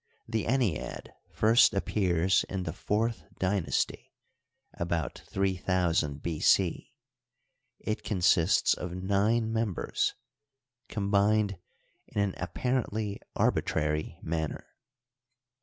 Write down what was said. The ennead first appears in the fourth Dynasty (about 3000 B. c). It consists of nine members, com bined in an apparently arbitrary manner: i.